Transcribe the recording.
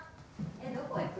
どこ行く？